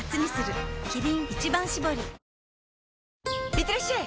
いってらっしゃい！